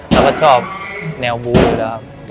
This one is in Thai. เราก็ชอบแนวบูอยู่แล้วครับ